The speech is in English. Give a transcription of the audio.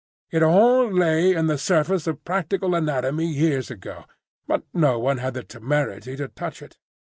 It all lay in the surface of practical anatomy years ago, but no one had the temerity to touch it.